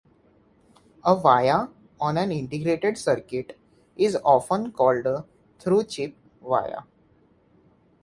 A via on an integrated circuit is often called a through-chip via.